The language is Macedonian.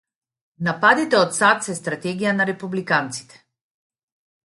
Нападите од САД се стратегија на републиканците